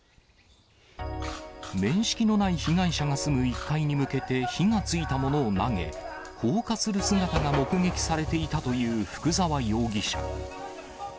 面識のない被害者が住む１階に向けて火がついたものを投げ、放火する姿が目撃されていたという福沢容疑者。